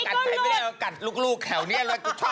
ก็กัดไว้ไม่ได้ละก็กัดลูกแถวนี้อีกก็ชอบ